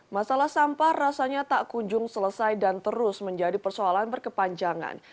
masalah sampah rasanya tak kunjung selesai dan terus menjadi persoalan berkepanjangan